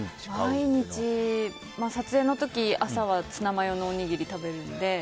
毎日撮影の時、朝はツナマヨのおにぎり食べるので。